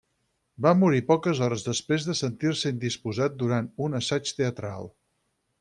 Va morir poques hores després de sentir-se indisposat durant un assaig teatral.